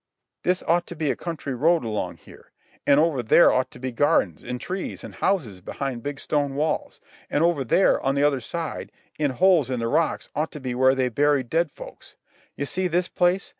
This ought to be a country road along here. An' over there ought to be gardens, an' trees, an' houses behind big stone walls. An' over there, on the other side, in holes in the rocks ought to be where they buried dead folks. You see this place?